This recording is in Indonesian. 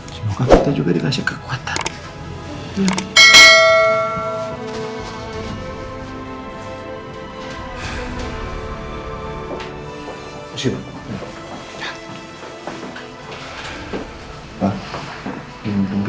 semoga kita juga dikasih kekuatan